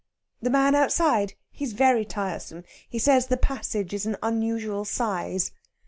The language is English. "The man outside? He's very tiresome. He says the passage is an unusual size."